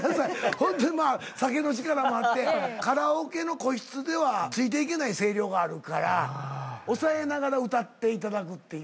ホントに酒の力もあってカラオケの個室ではついて行けない声量があるから抑えながら歌っていただくっていう。